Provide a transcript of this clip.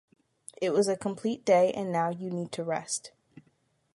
It was a complete day and now you need to rest.